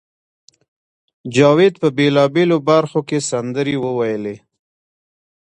جاوید په بېلابېلو برخو کې سندرې وویلې